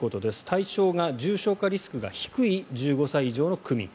対象が重症化リスクが低い１５歳以上の区民。